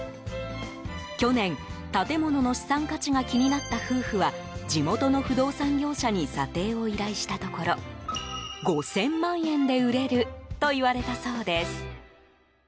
去年、建物の資産価値が気になった夫婦は地元の不動産業者に査定を依頼したところ５０００万円で売れると言われたそうです。